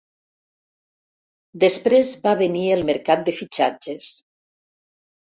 Després va venir el mercat de fitxatges.